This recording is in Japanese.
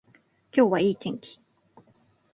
今日はいい天気